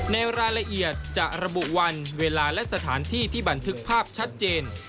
ในรายละเอียดจะระบุวันเวลาและสถานที่ที่บันทึกภาพชัดเจน